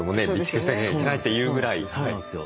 そうなんですよ。